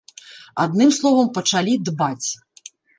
Адным словам, пачалі дбаць.